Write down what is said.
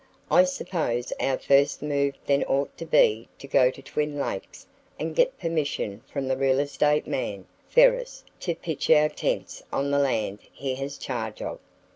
I suppose our first move then ought to be to go to Twin Lakes and get permission from that real estate man, Ferris, to pitch our tents on the land he has charge of."